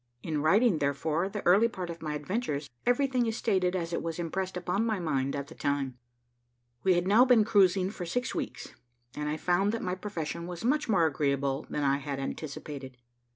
In writing, therefore, the early part of my adventures, everything is stated as it was impressed on my mind at the time. We had now been cruising for six weeks, and I found that my profession was much more agreeable than I had anticipated.